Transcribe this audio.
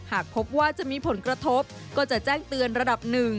หากพบว่าจะมีผลกระทบก็จะแจ้งเตือนระดับหนึ่ง